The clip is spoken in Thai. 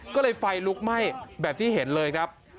ก็เลยไฟลุกไหม้แบบที่เห็นเลยครับ